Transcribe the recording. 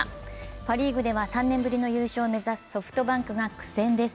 パ・リーグでは３年ぶりの優勝を目指すソフトバンクが苦戦です。